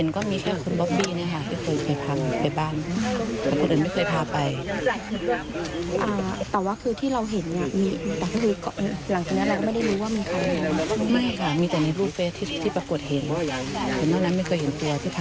การแพ้ที่ในที่มันได้แล้วจะมาทำพิธี